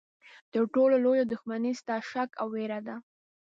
تر ټولو لویه دښمني ستا شک او ویره ده.